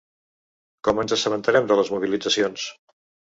Com ens assabentarem de les mobilitzacions?